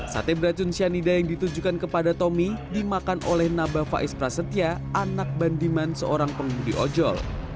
satesyyanida yang ditujukan kepada tommy dimakan oleh naba faiz prasetya anak bandiman seorang penghudi ojol